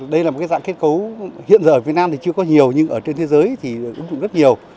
đây là một cái dạng kết cấu hiện giờ ở việt nam thì chưa có nhiều nhưng ở trên thế giới thì ứng dụng rất nhiều